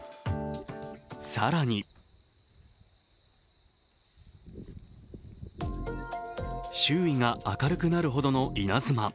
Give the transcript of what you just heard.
更に周囲が明るくなるほどの稲妻。